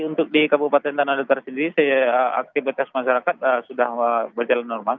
untuk di kabupaten tanah datar sendiri aktivitas masyarakat sudah berjalan normal